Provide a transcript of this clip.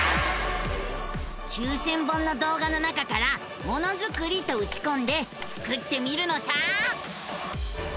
９，０００本の動画の中から「ものづくり」とうちこんでスクってみるのさ！